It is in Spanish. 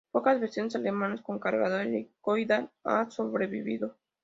Pocas versiones alemanas con cargador helicoidal han sobrevivido.